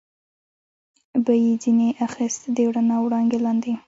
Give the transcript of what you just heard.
به یې ځنې اخیست، د رڼا وړانګې لاندې.